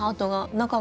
中が。